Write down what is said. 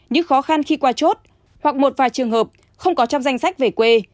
những khó khăn khi qua chốt hoặc một vài trường hợp không có trong danh sách về quê